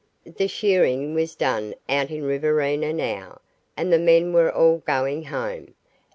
The shearing was done out in Riverina now, and the men were all going home.